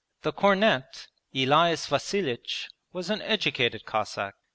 The cornet, Elias Vasilich, was an educated Cossack.